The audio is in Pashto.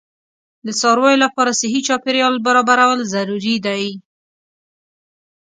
د څارویو لپاره صحي چاپیریال برابرول ضروري دي.